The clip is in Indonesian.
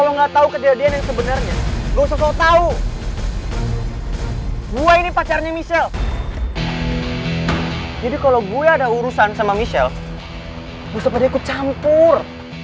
gue sempat dia ikut campur